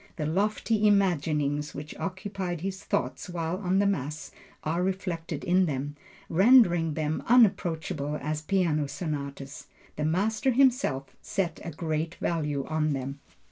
The lofty imaginings which occupied his thoughts while on the Mass are reflected in them, rendering them unapproachable as piano sonatas. The master himself, set a great value on them.